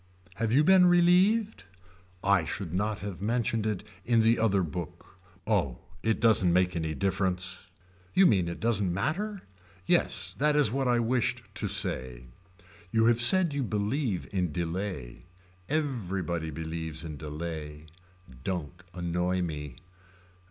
Have you been relieved. I should not have mentioned it in the other book. Oh it doesn't make any difference. You mean it doesn't matter. Yes that is what I wished to say. You have said you believe in delay. Everybody believes in delay. Don't annoy me.